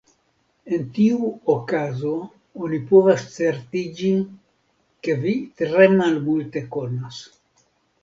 En tiu okazo, oni povas certiĝi ke vi tre malmulte konas.